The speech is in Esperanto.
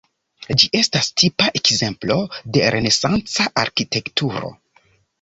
Ĝi estas tipa ekzemplo de renesanca arkitekturo.